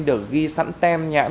được ghi sẵn tem nhãn